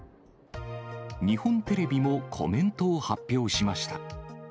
日本テレビもコメントを発表しました。